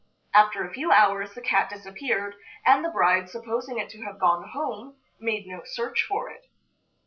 After a few hours the cat disappeared, and the bride, supposing it to have gone home, made no search for it.